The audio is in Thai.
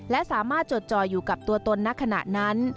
และสามารถจดจ่อยอยู่กับตัวตนณขณะนั้น